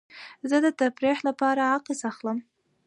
زه د تفریح لپاره عکس اخلم.